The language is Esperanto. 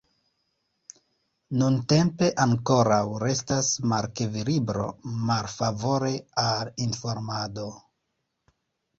Nuntempe ankoraŭ restas malevkilibro malfavore al informado.